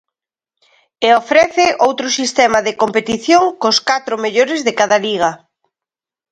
E ofrece outro sistema de competición cos catro mellores de cada Liga.